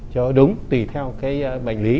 cho đúng tùy theo cái bệnh lý